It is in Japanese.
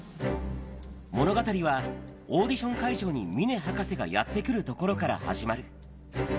物語はオーディション会場に峰博士がやって来るところから始まる。